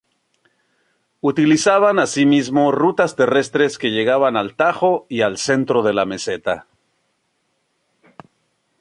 Utilizaban asimismo rutas terrestres que llegaban al Tajo y al centro de la meseta.